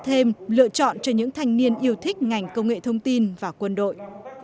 thêm lựa chọn cho những thanh niên yêu thích ngành công nghệ thông tin và quân đội